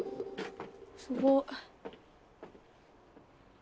すごっ。